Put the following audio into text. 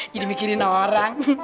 jadi mikirin orang